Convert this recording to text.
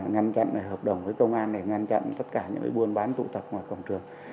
ngăn chặn hợp đồng với công an để ngăn chặn tất cả những buôn bán tụ tập ngoài cổng trường